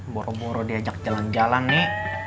boro boro diajak jalan jalan nih